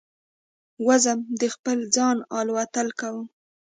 وزم د خپل ځانه الوتل کوم